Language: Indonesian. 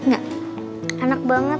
ya senang banget